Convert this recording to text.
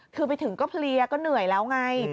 คือไปถึงก็เพลียก็เหนื่อยแล้วไง